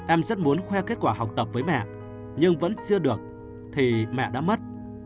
em rất muốn khoe kết quả học tập với mẹ nhưng vẫn chưa được thì mẹ đã mất